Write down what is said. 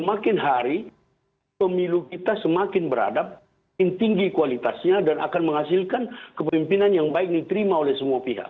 makin hari pemilu kita semakin beradab makin tinggi kualitasnya dan akan menghasilkan kepemimpinan yang baik diterima oleh semua pihak